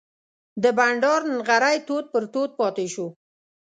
د بانډار نغری تود پر تود پاتې شو.